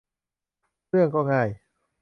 เรื่องก็ง่าย